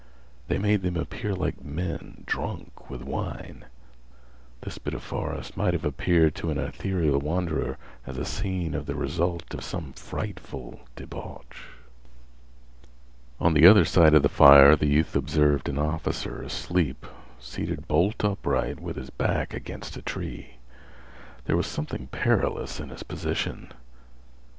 They made them appear like men drunk with wine. This bit of forest might have appeared to an ethereal wanderer as a scene of the result of some frightful debauch. On the other side of the fire the youth observed an officer asleep, seated bolt upright, with his back against a tree. There was something perilous in his position.